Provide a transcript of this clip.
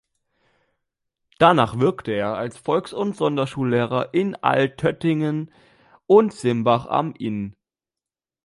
Danach wirkte er als Volks- und Sonderschullehrer in Altötting und Simbach am Inn.